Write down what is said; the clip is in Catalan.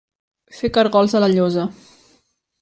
Fer cargols a la llosa.